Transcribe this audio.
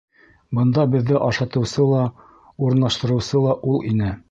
Бында беҙҙе ашатыусы ла, урынлаштырыусы ла ул ине.